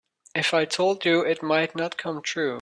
If I told you it might not come true.